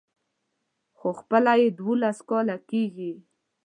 خو خپله يې دولس کاله کېږي.